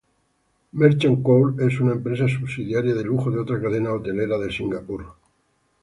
Merchant Court es una empresa subsidiaria de lujo de otra cadena hotelera de Singapur.